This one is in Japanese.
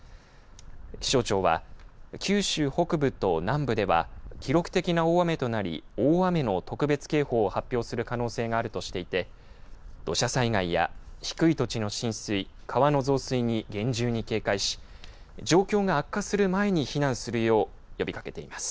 気象庁は九州北部と南部では記録的な大雨となり大雨の特別警報を発表する可能性があるとしていて土砂災害や低い土地の浸水川の増水に厳重に警戒し状況が悪化する前に避難するよう呼びかけています。